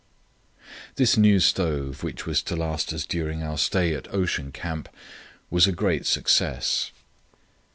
This new stove, which was to last us during our stay at Ocean Camp, was a great success.